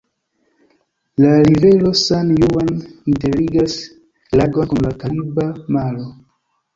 La rivero San-Juan interligas lagon kun la Kariba Maro.